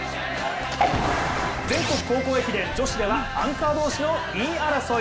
全国高校駅伝アンカー同士の２位争い。